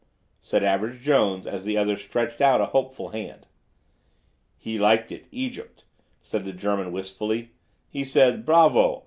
said Average Jones, as the other stretched out a hopeful hand. "He liked it—Egypt," said the German wistfully. "He said: 'Bravo!